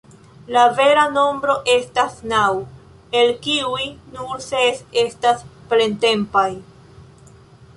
La vera nombro estas naŭ, el kiuj nur ses estas plentempaj.